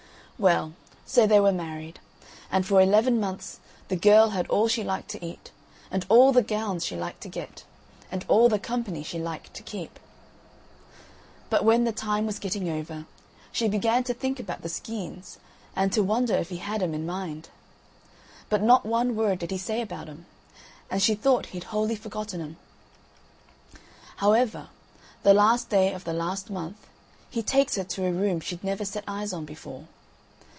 Well, so they were married. And for eleven months the girl had all she liked to eat, and all the gowns she liked to get, and all the company she liked to keep. But when the time was getting over, she began to think about the skeins and to wonder if he had 'em in mind. But not one word did he say about 'em, and she thought he'd wholly forgotten 'em. However, the last day of the last month he takes her to a room she'd never set eyes on before.